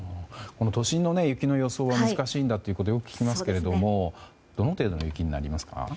都心の雪の予想は難しいとよく聞きますがどの程度の雪になりますか？